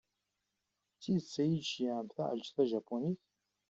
D tidet ad yi-d-tceyyɛem taɛelǧett tajapunit?